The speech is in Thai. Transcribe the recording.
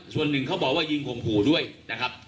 ส่วนหนึ่งเขาบอกว่ายิงข่มขู่ด้วยนะครับ